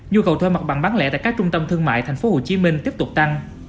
nhu cầu thuê mặt bằng bán lễ tại các trung tâm thương mại thành phố hồ chí minh tiếp tục tăng